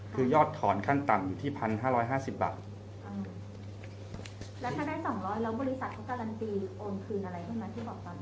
คือยอดถอนขั้นต่ำอยู่ที่พันห้าร้อยห้าห้าสิบบาทแล้วถ้าได้สองร้อยแล้วบริษัทเขาการันตีโอนคืนอะไรขึ้นมาที่บอกตอนนี้